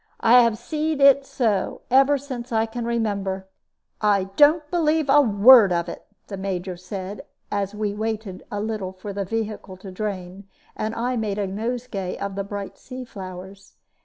I have seed it so, ever since I can remember." "I don't believe a word of it," the Major said, as we waited a little for the vehicle to drain, and I made a nosegay of the bright sea flowers.